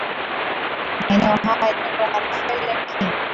maneno hayo yaliundwa na raphael lemkin